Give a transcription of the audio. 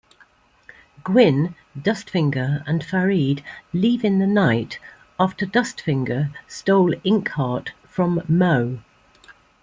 Gwin, Dustfinger, and Farid leave in the night after Dustfinger stole Inkheart from Mo.